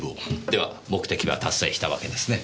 では目的は達成したわけですね。